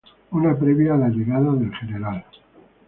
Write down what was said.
Una previa a la llegada del Gral.